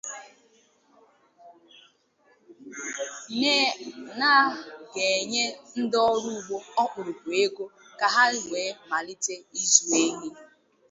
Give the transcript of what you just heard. na a ga-enye ndị ọrụ ugbo ọkpụrụkpụ ego ka ha wee malite ịzụ ehi